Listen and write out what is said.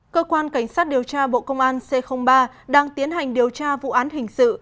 cơ quan cảnh sát điều tra bộ công an c ba đang tiến hành điều tra vụ án hình sự